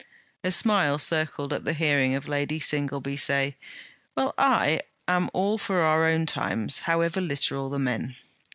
A smile circled at the hearing of Lady Singleby say: 'Well, I am all for our own times, however literal the men.'